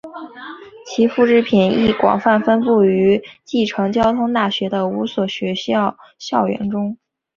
其复制品亦广泛分布于继承交通大学的五所学校校园中。